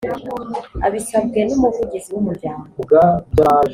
abisabwe n’umuvugizi w’umuryango